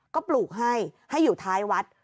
ก็ปลูกให้ให้อยู่ท้ายวัด